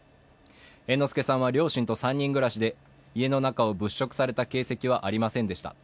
猿之助さんは両親と３人暮らしで、家の中を物色された形跡はありませんでした。